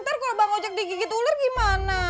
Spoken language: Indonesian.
ntar kalau bang ojak digigit ular gimana